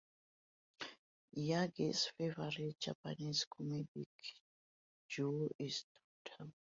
Yagi's favorite Japanese comedic duo is Downtown.